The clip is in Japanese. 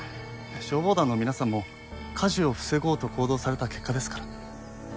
消防団の皆さんも火事を防ごうと行動された結果ですから。